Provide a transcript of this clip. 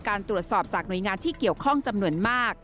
การตรวจสอบจากหน่วยงานที่เกี่ยวข้องจำนวนมาก